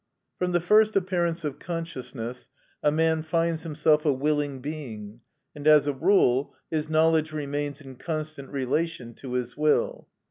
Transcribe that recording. From the first appearance of consciousness, a man finds himself a willing being, and as a rule, his knowledge remains in constant relation to his will.